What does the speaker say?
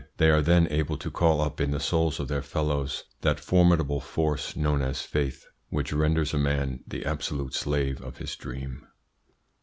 They are then able to call up in the souls of their fellows that formidable force known as faith, which renders a man the absolute slave of his dream.